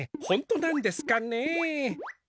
ほんとなんですかねえ。